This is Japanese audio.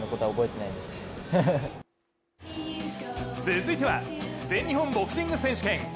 続いては全日本ボクシング選手権。